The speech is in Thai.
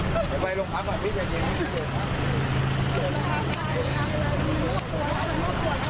แกไปลงพักก่อนพี่ใจเย็น